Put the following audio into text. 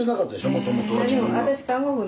もともとは。